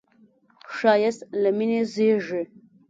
ښایست له مینې زېږي